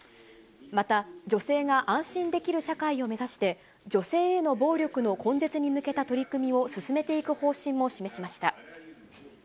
また、女性が安心できる社会を目指して、女性への暴力の根絶に向けた取り組みを進めていく方針も示しました。